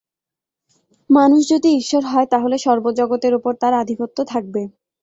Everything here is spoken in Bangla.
মানুষ যদি ঈশ্বর হয়, তাহলে সর্বজগতের ওপর তার আধিপত্য থাকবে।